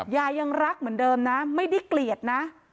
ยังรักเหมือนเดิมนะไม่ได้เกลียดนะ